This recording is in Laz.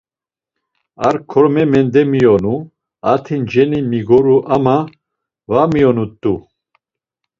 A korme mendemiyonu, arti nceni migoru ama va miyonut̆u.